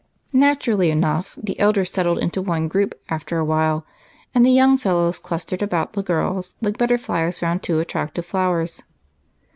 Naturally enough, the elders settled into one group after a while, and the young fellows clustered about the girls like butterflies around two attractive flowers.